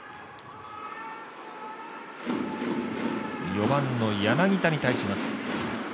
４番の柳田に対します。